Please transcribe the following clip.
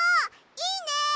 いいね！